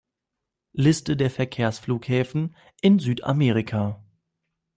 Liste der Verkehrsflughäfen in Südamerika